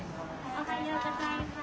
おはようございます。